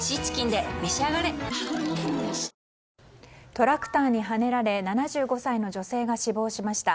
トラクターにはねられ７５歳の女性が死亡しました。